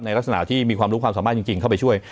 ลักษณะที่มีความรู้ความสามารถจริงเข้าไปช่วย